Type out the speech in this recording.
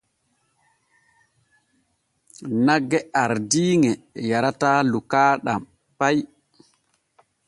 Nagge ardiiŋe yarataa lukaaɗam pay.